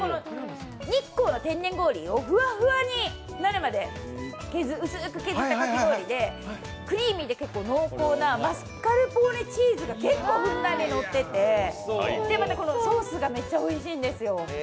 日光の天然氷をふわふわになるまで薄く削ったかき氷で、クリーミーで濃厚なマスカルポーネチーズがたっぷりのっていてソースがめっちゃおいしいんですよ。